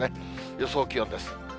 予想気温です。